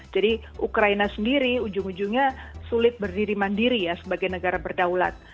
jadi ukraina sendiri ujung ujungnya sulit berdiri mandiri ya sebagai negara berdaulat